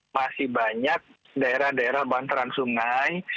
masih banyak daerah daerah banteran sungai